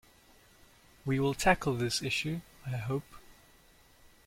We will tackle this issue, I hope.